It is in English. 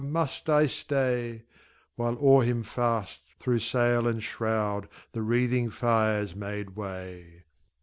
must I stay?" While o'er him fast, through sail and shroud, The wreathing fires made way.